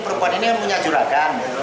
perempuan ini punya juragan